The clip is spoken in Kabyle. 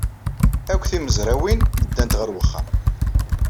Akk timezrawin ddant ɣer uxxam.